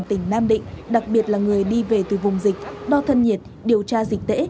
tỉnh nam định đặc biệt là người đi về từ vùng dịch đo thân nhiệt điều tra dịch tễ